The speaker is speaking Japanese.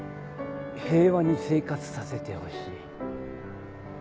平和に生活させてほしい。